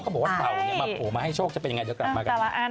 บอกว่าเต่าเนี่ยมาโผล่มาให้โชคจะเป็นยังไงเดี๋ยวกลับมากัน